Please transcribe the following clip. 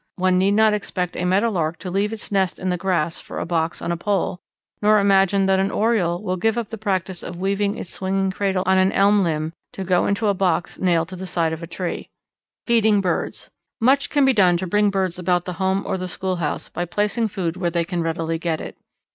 One need not expect a Meadowlark to leave its nest in the grass for a box on a pole, nor imagine that an Oriole will give up the practice of weaving its swinging cradle on an elm limb to go into a box nailed to the side of the tree. Feeding Birds. Much can be done to bring birds about the home or the schoolhouse by placing food where they can readily get it.